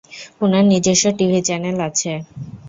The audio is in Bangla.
উনার নিজস্ব টিভি চ্যানেল আছে।